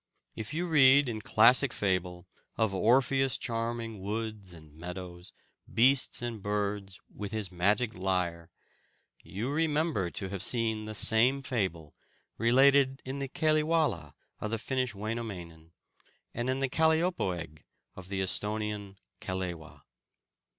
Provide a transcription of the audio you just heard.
If you read in classic fable of Orpheus charming woods and meadows, beasts and birds, with his magic lyre, you remember to have seen the same fable related in the Kalewala of the Finnish Wainomainen, and in the Kaleopoeg of the Esthonian Kalewa.